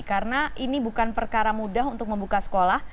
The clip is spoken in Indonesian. karena ini bukan perkara mudah untuk membuka sekolah